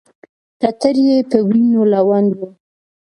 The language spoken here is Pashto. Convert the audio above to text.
ټټر یې په وینو لوند و.